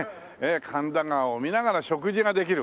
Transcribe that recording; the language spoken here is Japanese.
神田川を見ながら食事ができる。